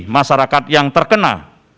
masyarakat yang terkena